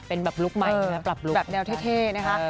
เป็นแบบลุกใหม่แบบแนวเท่นะคะ